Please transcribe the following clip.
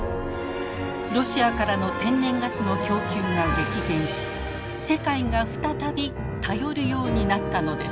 ロシアからの天然ガスの供給が激減し世界が再び頼るようになったのです。